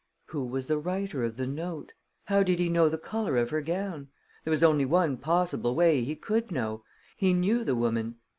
Who was the writer of the note? How did he know the color of her gown? There was only one possible way he could know he knew the woman.